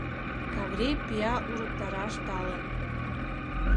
Каврий пӱя урыктараш талын.